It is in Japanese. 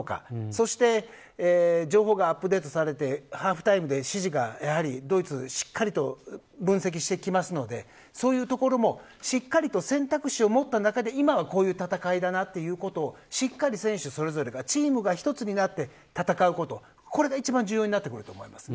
そして情報がアップデートされてハーフタイムで指示がドイツ、しっかりと分析してくるのでそういうところもしっかりと選択肢を持った中で今はこういう戦いだということをしっかり選手それぞれがチームが一つになって戦うことこれが一番重要になってくると思います。